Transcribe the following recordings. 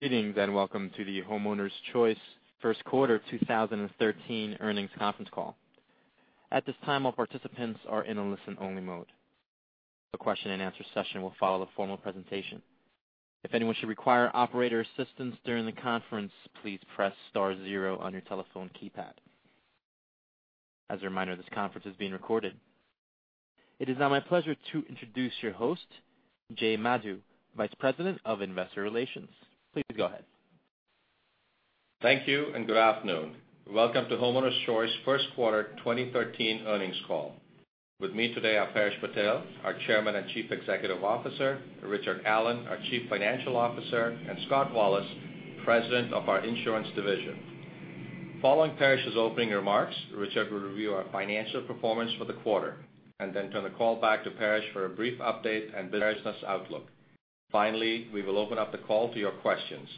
Greetings, and welcome to the Homeowners Choice first quarter 2013 earnings conference call. At this time, all participants are in a listen-only mode. The question and answer session will follow the formal presentation. If anyone should require operator assistance during the conference, please press star zero on your telephone keypad. As a reminder, this conference is being recorded. It is now my pleasure to introduce your host, Jay Madhu, Vice President of Investor Relations. Please go ahead. Thank you, and good afternoon. Welcome to Homeowners Choice first quarter 2013 earnings call. With me today are Paresh Patel, our Chairman and Chief Executive Officer, Richard Allen, our Chief Financial Officer, and Scott Wallace, President of our Insurance division. Following Paresh's opening remarks, Richard will review our financial performance for the quarter, and then turn the call back to Paresh for a brief update and business outlook. Finally, we will open up the call to your questions.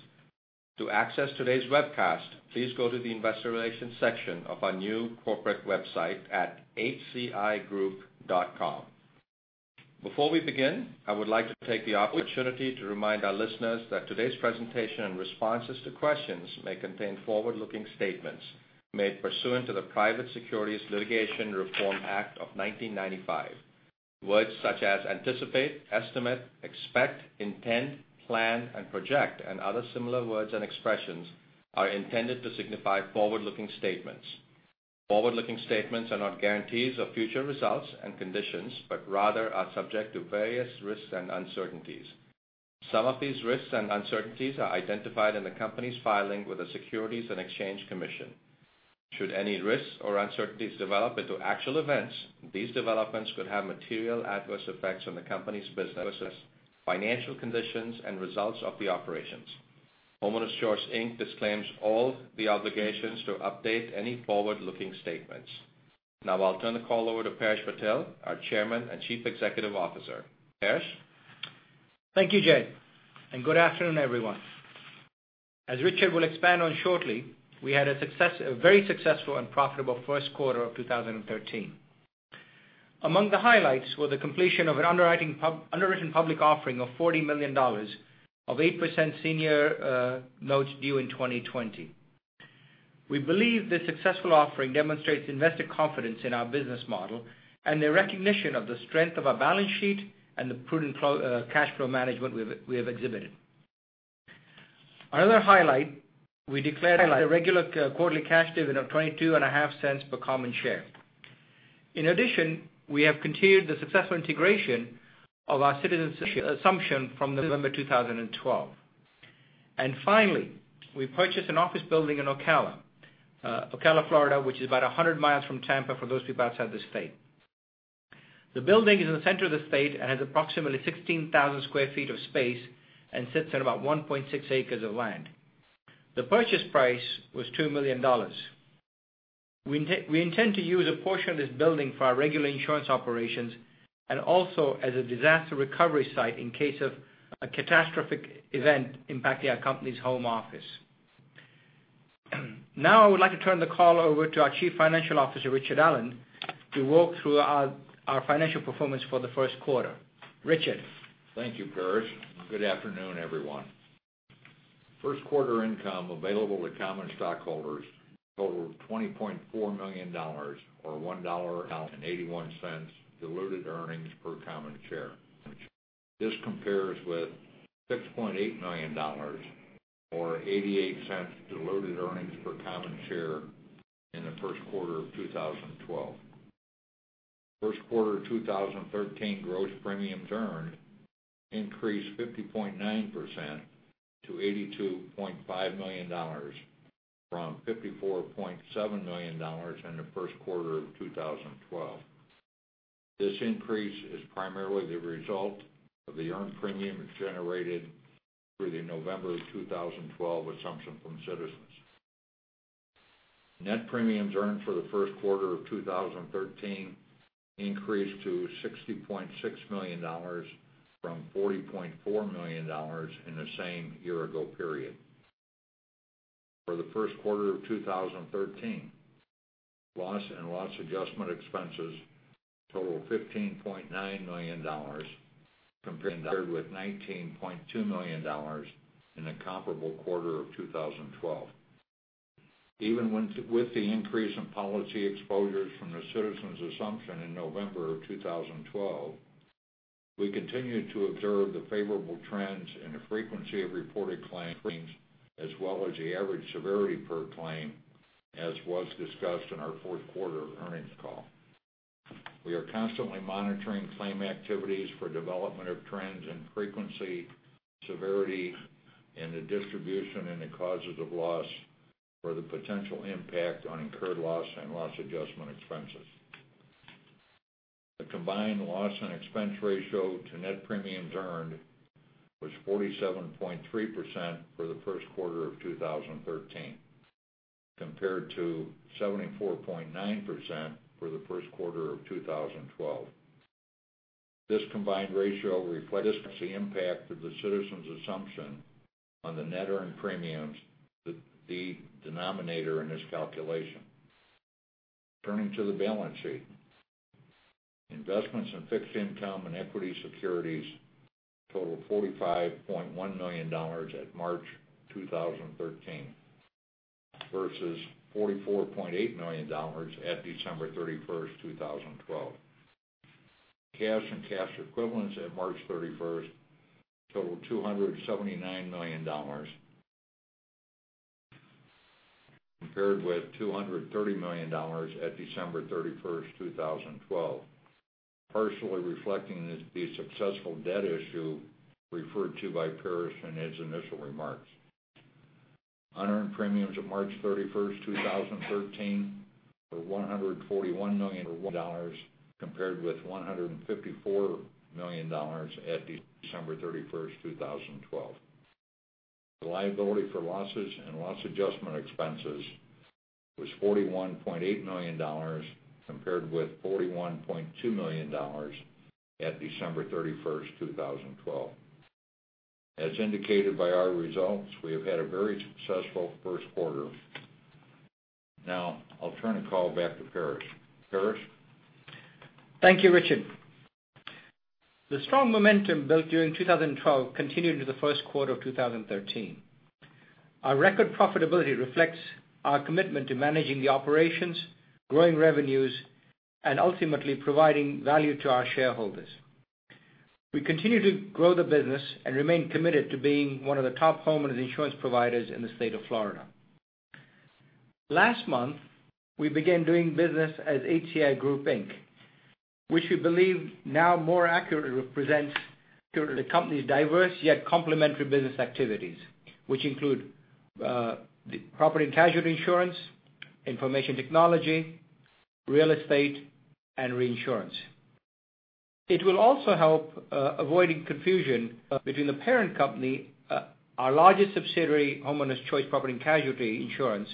To access today's webcast, please go to the investor relations section of our new corporate website at hcigroup.com. Before we begin, I would like to take the opportunity to remind our listeners that today's presentation and responses to questions may contain forward-looking statements made pursuant to the Private Securities Litigation Reform Act of 1995. Words such as anticipate, estimate, expect, intend, plan, and project, and other similar words and expressions are intended to signify forward-looking statements. Forward-looking statements are not guarantees of future results and conditions, but rather are subject to various risks and uncertainties. Some of these risks and uncertainties are identified in the company's filing with the Securities and Exchange Commission. Should any risks or uncertainties develop into actual events, these developments could have material adverse effects on the company's business, financial conditions, and results of the operations. Homeowners Choice, Inc. disclaims all the obligations to update any forward-looking statements. I'll turn the call over to Paresh Patel, our Chairman and Chief Executive Officer. Paresh? Thank you, Jay, and good afternoon, everyone. As Richard will expand on shortly, we had a very successful and profitable first quarter of 2013. Among the highlights were the completion of an underwritten public offering of $40 million of 8% senior notes due in 2020. We believe this successful offering demonstrates investor confidence in our business model and the recognition of the strength of our balance sheet and the prudent cash flow management we have exhibited. Another highlight, we declared a regular quarterly cash dividend of $0.225 per common share. In addition, we have continued the successful integration of our Citizens assumption from November 2012. Finally, we purchased an office building in Ocala, Florida, which is about 100 miles from Tampa for those people outside the state. The building is in the center of the state and has approximately 16,000 sq ft of space and sits on about 1.6 acres of land. The purchase price was $2 million. We intend to use a portion of this building for our regular insurance operations and also as a disaster recovery site in case of a catastrophic event impacting our company's home office. I would like to turn the call over to our Chief Financial Officer, Richard Allen, to walk through our financial performance for the first quarter. Richard? Thank you, Paresh. Good afternoon, everyone. First quarter income available to common stockholders totaled $20.4 million, or $1.81 diluted earnings per common share. This compares with $6.8 million, or $0.88 diluted earnings per common share in the first quarter of 2012. First quarter 2013 gross premiums earned increased 50.9% to $82.5 million from $54.7 million in the first quarter of 2012. This increase is primarily the result of the earned premium generated through the November 2012 assumption from Citizens. Net premiums earned for the first quarter of 2013 increased to $60.6 million from $40.4 million in the same year-ago period. For the first quarter of 2013, loss and loss adjustment expenses totaled $15.9 million, compared with $19.2 million in the comparable quarter of 2012. Even with the increase in policy exposures from the Citizens assumption in November of 2012, we continue to observe the favorable trends in the frequency of reported claims as well as the average severity per claim, as was discussed in our fourth quarter earnings call. We are constantly monitoring claim activities for development of trends in frequency, severity, and the distribution and the causes of loss for the potential impact on incurred loss and loss adjustment expenses. The combined loss and expense ratio to net premiums earned was 47.3% for the first quarter of 2013, compared to 74.9% for the first quarter of 2012. This combined ratio reflects the impact of the Citizens assumption on the net earned premiums, the denominator in this calculation. Turning to the balance sheet. Investments in fixed income and equity securities total $45.1 million at March 2013 versus $44.8 million at December 31st, 2012. Cash and cash equivalents at March 31st totaled $279 million, compared with $230 million at December 31st, 2012, partially reflecting the successful debt issue referred to by Paresh in his initial remarks. Unearned premiums of March 31st, 2013, were $141 million compared with $154 million at December 31st, 2012. The liability for losses and loss adjustment expenses was $41.8 million, compared with $41.2 million at December 31st, 2012. As indicated by our results, we have had a very successful first quarter. I'll turn the call back to Paresh. Paresh? Thank you, Richard. The strong momentum built during 2012 continued into the first quarter of 2013. Our record profitability reflects our commitment to managing the operations, growing revenues, and ultimately providing value to our shareholders. We continue to grow the business and remain committed to being one of the top homeowners insurance providers in the state of Florida. Last month, we began doing business as HCI Group, Inc., which we believe now more accurately represents the company's diverse yet complementary business activities, which include property and casualty insurance, information technology, real estate, and reinsurance. It will also help avoiding confusion between the parent company, our largest subsidiary, Homeowners Choice Property Casualty Insurance,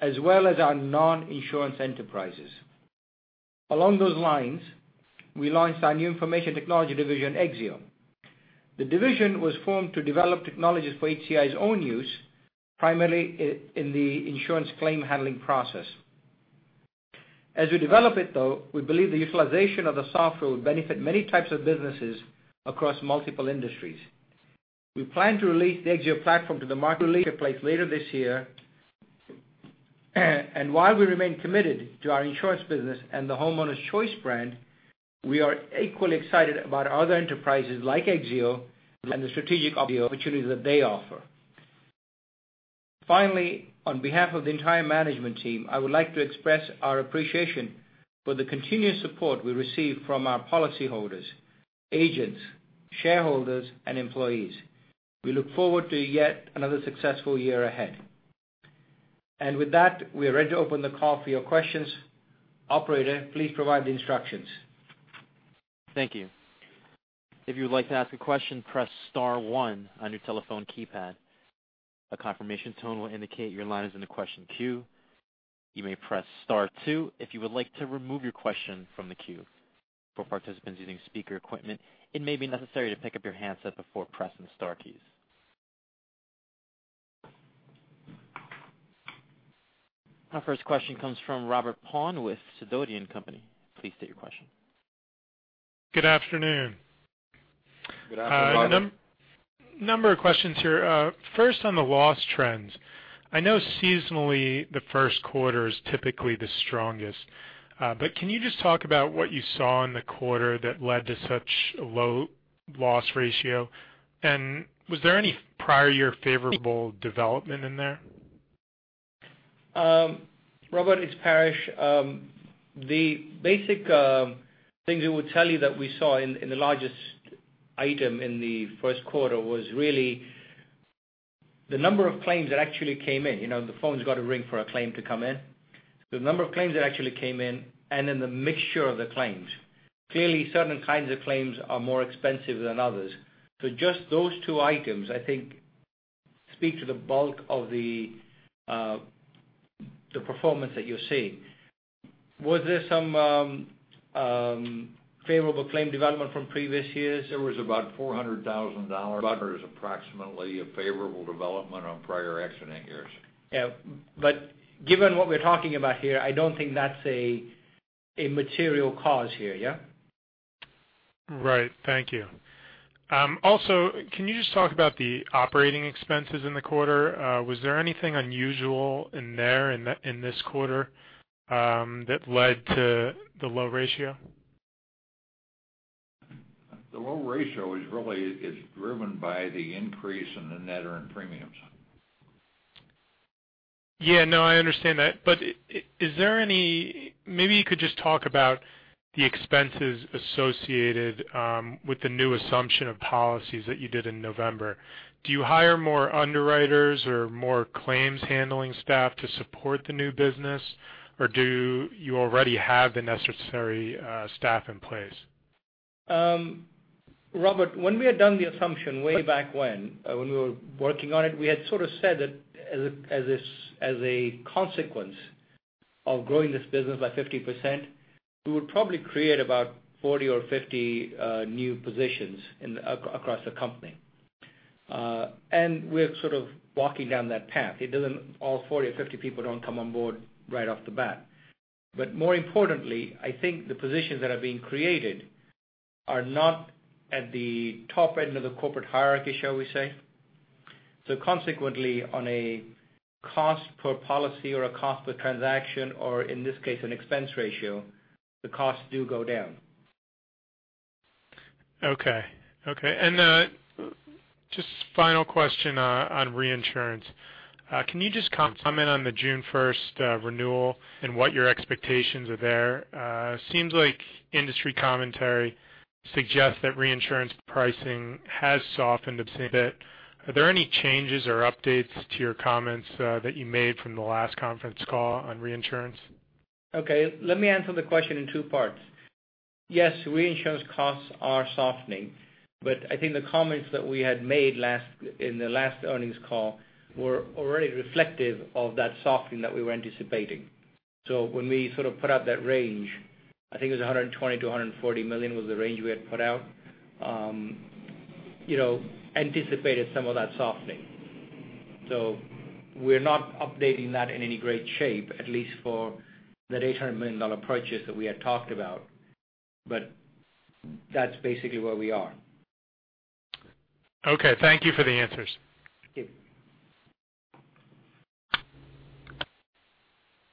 as well as our non-insurance enterprises. Along those lines, we launched our new information technology division, Exzeo. The division was formed to develop technologies for HCI's own use, primarily in the insurance claim handling process. As we develop it, though, we believe the utilization of the software will benefit many types of businesses across multiple industries. We plan to release the Exzeo platform to the marketplace later this year. While we remain committed to our insurance business and the Homeowners Choice brand, we are equally excited about other enterprises like Exzeo and the strategic opportunities that they offer. Finally, on behalf of the entire management team, I would like to express our appreciation for the continuous support we receive from our policyholders, agents, shareholders, and employees. We look forward to yet another successful year ahead. With that, we are ready to open the call for your questions. Operator, please provide the instructions. Thank you. If you would like to ask a question, press *1 on your telephone keypad. A confirmation tone will indicate your line is in the question queue. You may press *2 if you would like to remove your question from the queue. For participants using speaker equipment, it may be necessary to pick up your handset before pressing the star keys. Our first question comes from Robert Paun with Sidoti & Company. Please state your question. Good afternoon. Good afternoon, Robert. A number of questions here. First, on the loss trends, I know seasonally the first quarter is typically the strongest. Can you just talk about what you saw in the quarter that led to such a low loss ratio? Was there any prior year favorable development in there? Robert, it's Paresh. The basic thing we would tell you that we saw in the largest item in the first quarter was really the number of claims that actually came in. The phone's got to ring for a claim to come in. The number of claims that actually came in then the mixture of the claims. Clearly, certain kinds of claims are more expensive than others. Just those two items, I think, speak to the bulk of the performance that you're seeing. Was there some favorable claim development from previous years? There was about $400,000, approximately a favorable development on prior accident years. Yeah. Given what we're talking about here, I don't think that's a material cause here. Right. Thank you. Can you just talk about the operating expenses in the quarter? Was there anything unusual in there in this quarter that led to the low ratio? The low ratio is really driven by the increase in the net earned premiums. Yeah, no, I understand that. Maybe you could just talk about the expenses associated with the new assumption of policies that you did in November. Do you hire more underwriters or more claims handling staff to support the new business, or do you already have the necessary staff in place? Robert, when we had done the assumption way back when we were working on it, we had sort of said that as a consequence of growing this business by 50%, we would probably create about 40 or 50 new positions across the company. We're sort of walking down that path. All 40 or 50 people don't come on board right off the bat. More importantly, I think the positions that are being created are not at the top end of the corporate hierarchy, shall we say. Consequently, on a cost per policy or a cost per transaction, or in this case, an expense ratio, the costs do go down. Okay. Just final question on reinsurance. Can you just comment on the June 1st renewal and what your expectations are there? Seems like industry commentary suggests that reinsurance pricing has softened a bit. Are there any changes or updates to your comments that you made from the last conference call on reinsurance? Okay, let me answer the question in two parts. Yes, reinsurance costs are softening. I think the comments that we had made in the last earnings call were already reflective of that softening that we were anticipating. When we put out that range, I think it was $120 million to $140 million was the range we had put out, anticipated some of that softening. We're not updating that in any great shape, at least for the $800 million purchase that we had talked about. That's basically where we are. Okay. Thank you for the answers. Thank you.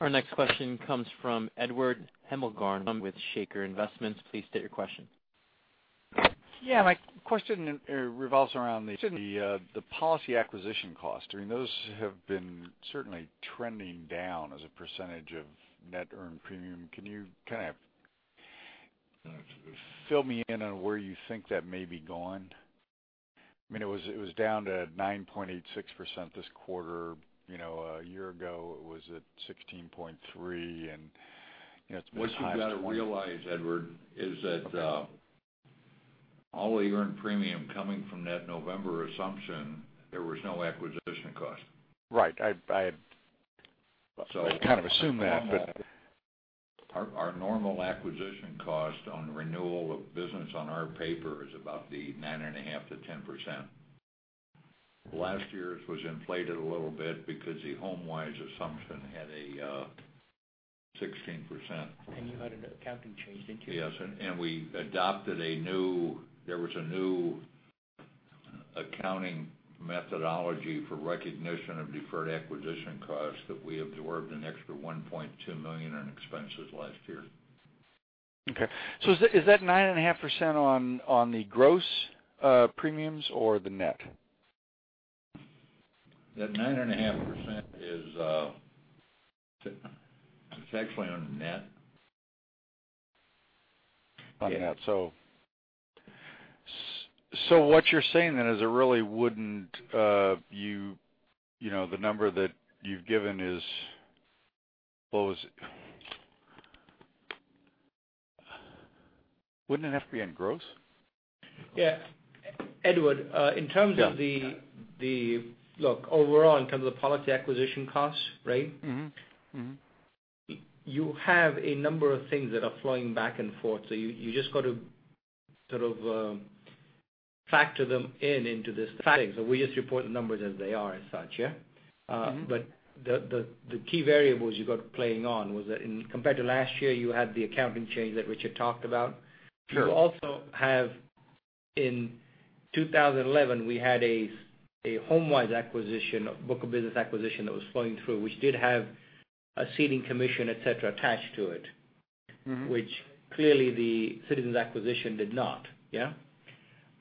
Our next question comes from Edward Hemmelgarn with Shaker Investments. Please state your question. Yeah, my question revolves around the policy acquisition cost. Those have been certainly trending down as a percentage of net earned premium. Can you kind of fill me in on where you think that may be going? It was down to 9.86% this quarter. A year ago, it was at 16.3, and it's been as high as 20. What you got to realize, Edward, is that all the earned premium coming from that November assumption, there was no acquisition cost. Right. So- Kind of assumed that. Our normal acquisition cost on renewal of business on our paper is about the 9.5%-10%. Last year's was inflated a little bit because the HomeWise assumption had a 16%. You had an accounting change in too. Yes, there was a new accounting methodology for recognition of deferred acquisition costs that we absorbed an extra $1.2 million in expenses last year. Okay. Is that 9.5% on the gross premiums or the net? That 9.5% is effectively on net. On net. What you're saying then is it really the number that you've given is, what was it? Wouldn't it have to be on gross? Yeah. Edward Hemmelgarn, in terms of overall, in terms of policy acquisition costs, right? You have a number of things that are flowing back and forth. You just got to sort of factor them in into this thing. We just report the numbers as they are as such, yeah? The key variables you got playing on was that compared to last year, you had the accounting change that Richard talked about. Sure. You also have, in 2011, we had a HomeWise acquisition, a book of business acquisition that was flowing through, which did have a ceding commission, et cetera, attached to it. Which clearly the Citizens acquisition did not. Yeah?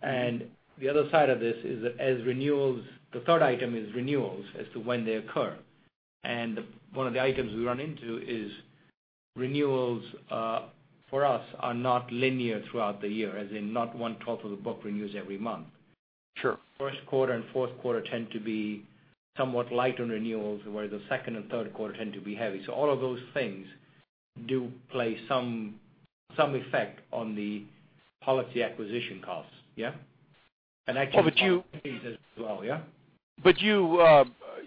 The other side of this is as renewals, the third item is renewals as to when they occur. One of the items we run into is renewals for us are not linear throughout the year, as in not one twelfth of the book renews every month. Sure. First quarter and fourth quarter tend to be somewhat light on renewals, where the second and third quarter tend to be heavy. All of those things do play some effect on the policy acquisition costs, yeah? But you- As well, yeah?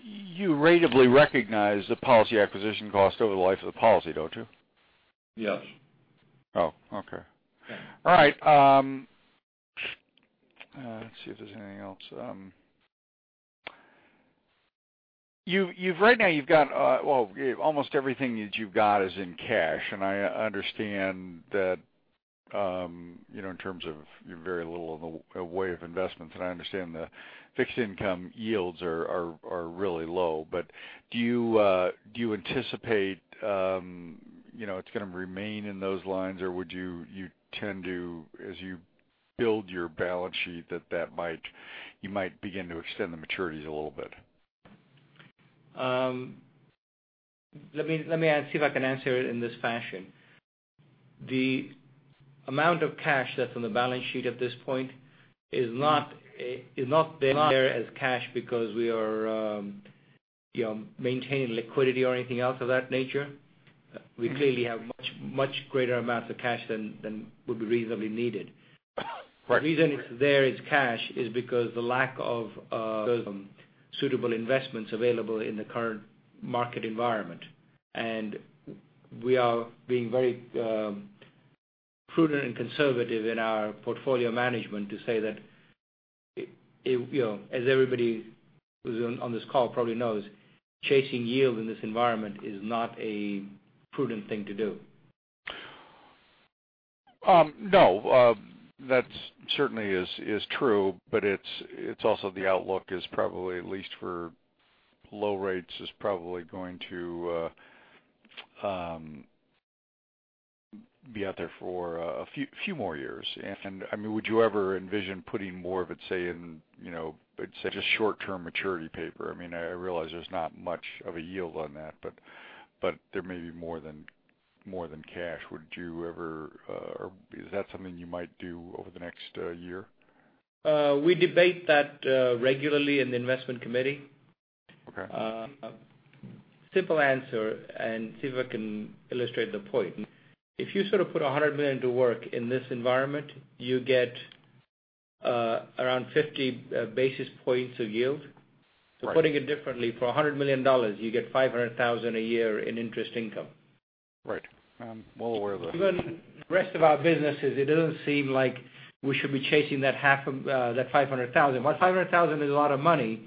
You ratably recognize the policy acquisition cost over the life of the policy, don't you? Yes. Oh, okay. Yeah. All right. Let's see if there's anything else. Right now, you've got, well, almost everything that you've got is in cash, and I understand that in terms of your very little in the way of investments, and I understand the fixed income yields are really low. Do you anticipate it's going to remain in those lines, or would you tend to, as you build your balance sheet, that you might begin to extend the maturities a little bit? Let me see if I can answer it in this fashion. The amount of cash that's on the balance sheet at this point is not there as cash because we are maintaining liquidity or anything else of that nature. We clearly have much greater amounts of cash than would be reasonably needed. Right. The reason it's there as cash is because the lack of suitable investments available in the current market environment. We are being very prudent and conservative in our portfolio management to say that, as everybody who's on this call probably knows, chasing yield in this environment is not a prudent thing to do. No, that certainly is true, but it's also the outlook is probably, at least for low rates, is probably going to be out there for a few more years. Would you ever envision putting more of it, say, in just short-term maturity paper? I realize there's not much of a yield on that, but there may be more than cash. Would you ever or is that something you might do over the next year? We debate that regularly in the investment committee. Okay. Simple answer, and see if I can illustrate the point. If you put $100 million to work in this environment, you get around 50 basis points of yield. Right. Putting it differently, for $100 million, you get $500,000 a year in interest income. Right. I'm well aware of that. Given the rest of our businesses, it doesn't seem like we should be chasing that $500,000. While $500,000 is a lot of money,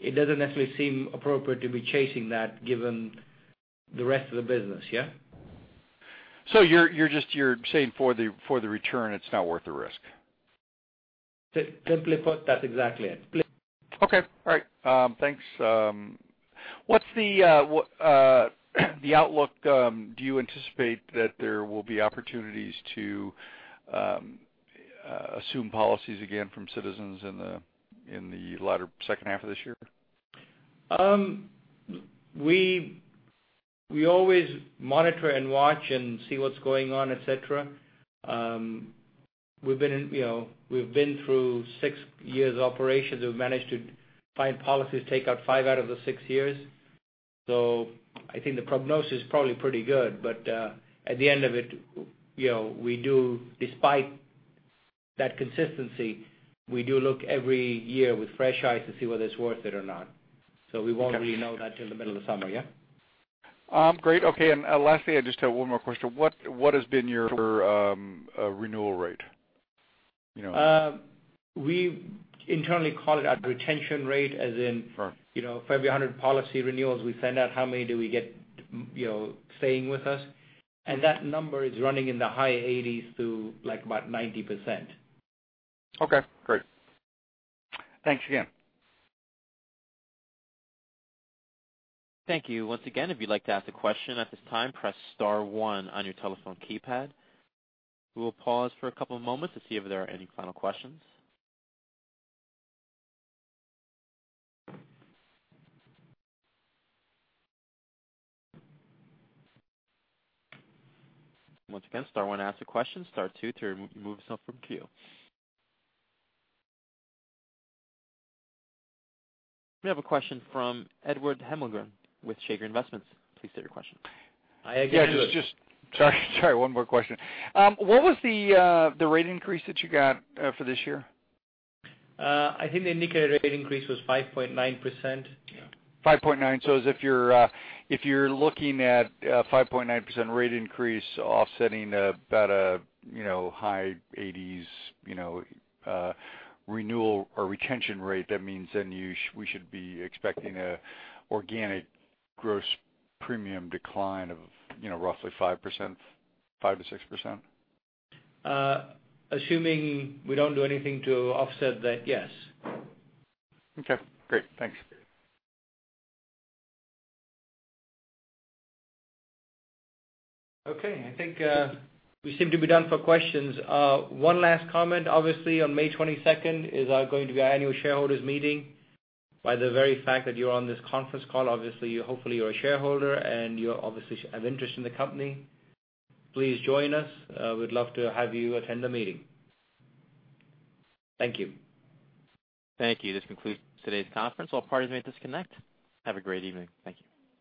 it doesn't necessarily seem appropriate to be chasing that given the rest of the business, yeah? You're saying for the return, it's not worth the risk. Simply put, that's exactly it. Okay. All right. Thanks. What's the outlook? Do you anticipate that there will be opportunities to assume policies again from Citizens in the latter second half of this year? We always monitor and watch and see what's going on, et cetera. We've been through six years operations. We've managed to find policies, take out five out of the six years. I think the prognosis is probably pretty good, but at the end of it, despite that consistency, we do look every year with fresh eyes to see whether it's worth it or not. We won't really know that till the middle of summer, yeah? Great. Okay. Lastly, I just have one more question. What has been your renewal rate? We internally call it our retention rate. Sure For every 100 policy renewals we send out, how many do we get staying with us? That number is running in the high 80s to about 90%. Okay, great. Thanks again. Thank you once again. If you'd like to ask a question at this time, press star one on your telephone keypad. We will pause for a couple of moments to see if there are any final questions. Once again, star one to ask a question, star two to remove yourself from queue. We have a question from Edward Hemmelgarn with Shaker Investments. Please state your question. Hi again, Edward. Yeah, just sorry, one more question. What was the rate increase that you got for this year? I think the indicated rate increase was 5.9%. Yeah. 5.9%. If you're looking at a 5.9% rate increase offsetting about a high 80s renewal or retention rate, that means we should be expecting organic gross premium decline of roughly 5%-6%? Assuming we don't do anything to offset that, yes. Okay, great. Thanks. Okay, I think we seem to be done for questions. One last comment. Obviously, on May 22nd is going to be our annual shareholders meeting. By the very fact that you're on this conference call, obviously, hopefully you're a shareholder and you obviously have interest in the company. Please join us. We'd love to have you attend the meeting. Thank you. Thank you. This concludes today's conference. All parties may disconnect. Have a great evening. Thank you.